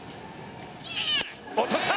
落とした！